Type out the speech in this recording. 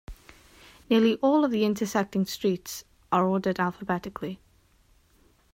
Nearly all of the intersecting streets are ordered alphabetically.